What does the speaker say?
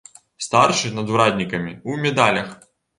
Старшы над ураднікамі, у медалях.